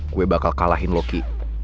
gue bakal kalahin loki